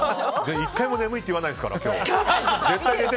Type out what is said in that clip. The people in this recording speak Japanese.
１回も眠いって言わないですから。